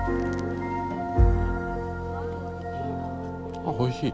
あっおいしい。